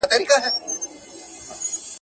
چي هر يو به سو راستون له خياطانو.